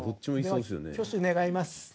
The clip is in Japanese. では挙手願います。